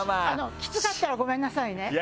きつかったらごめんなさいね。